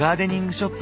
ショップ